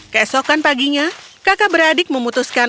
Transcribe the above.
keesokan paginya kakak beradik memutuskan